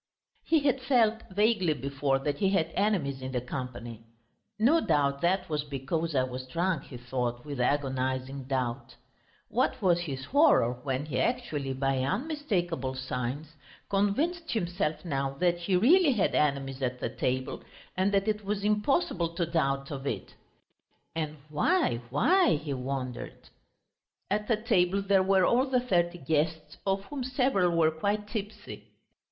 He had felt vaguely before that he had enemies in the company. "No doubt that was because I was drunk," he thought with agonising doubt. What was his horror when he actually, by unmistakable signs, convinced himself now that he really had enemies at the table, and that it was impossible to doubt of it. "And why why?" he wondered. At the table there were all the thirty guests, of whom several were quite tipsy.